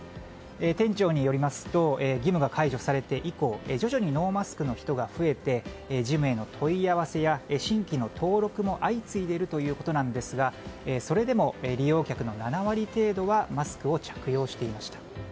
店長によりますと義務が解除されて以降徐々にノーマスクの人が増えてジムへの問い合わせや新規の登録も相次いでいるということですがそれでも利用客の７割程度はマスクを着用していました。